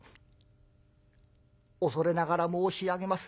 「恐れながら申し上げます。